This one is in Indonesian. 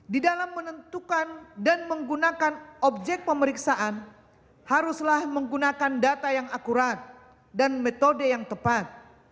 di dalam menentukan dan menggunakan objek pemeriksaan haruslah menggunakan data yang akurat dan metode yang tepat